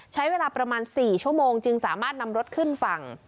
ใช้เวลาประมาณ๔ชั่วโมงจึงสามารถนำรถขึ้นฝั่ง